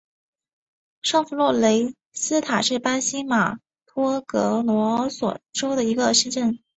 上弗洛雷斯塔是巴西马托格罗索州的一个市镇。